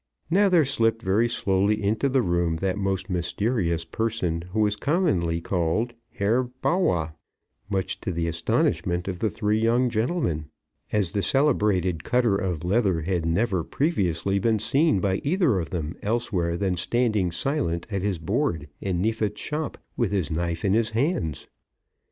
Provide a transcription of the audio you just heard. Now there slipped very slowly into the room, that most mysterious person who was commonly called Herr Bawwah, much to the astonishment of the three young gentlemen, as the celebrated cutter of leather had never previously been seen by either of them elsewhere than standing silent at his board in Neefit's shop, with his knife in his hands.